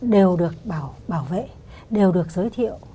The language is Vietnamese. đều được bảo vệ đều được giới thiệu